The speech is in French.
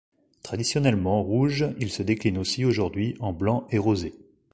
Traditionnellement rouge il se décline aussi aujourd'hui en blanc et rosé.